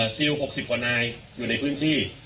ซิล๖๐กว่านายอยู่ในพื้นที่